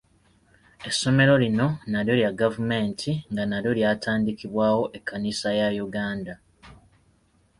Essomero lino nalyo lya gavumenti nga nalyo ly'atandikibwawo ekkanisa ya Uganda.